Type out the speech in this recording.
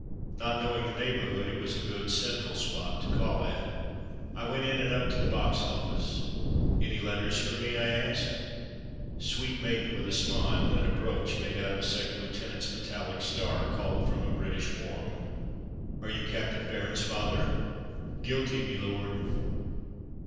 Not knowing the neighbourhood, it was a good central spot to call at. I went in and up to the box office. "Any letters for me?'' I ask. Sweet maiden with smile (and a brooch made out of a second lieutenant's metallic star culled from a "British warm"): "Are you Captain Bairnsfather?" /; "Guilty, me lord."